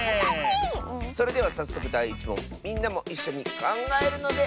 それではさっそくだい１もんみんなもいっしょにかんがえるのである！